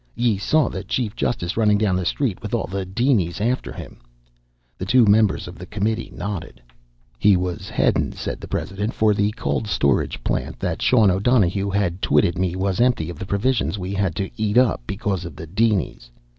Ye saw the chief justice runnin' down the street with all the dinies after him." The two members of the committee nodded. "He was headin," said the president, "for the cold storage plant that Sean O'Donohue had twitted me was empty of the provisions we'd had to eat up because of the dinies.